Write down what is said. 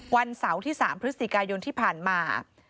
วันเสาร์ที่๓พฤศจิกายนที่ผ่านมา